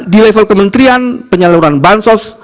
di level kementerian penyaluran bansos